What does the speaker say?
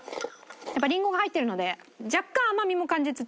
やっぱリンゴが入ってるので若干甘みも感じつつ。